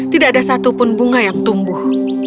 tidak ada satupun bunga yang tumbuh